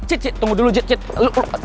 cid cid tunggu dulu cid cid